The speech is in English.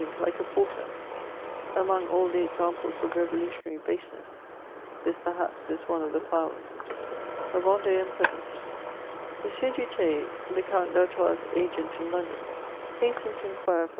like a porter; among all the examples of reyolutionary baseness, this, perhaps, is one of the foulest. A YENDEAN PEASAKT. M. DU Theil, the Count d'Artois' agent in London, has tened to inquire for M.